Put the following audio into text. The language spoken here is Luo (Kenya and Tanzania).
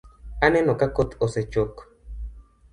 Aneno ka koth osechok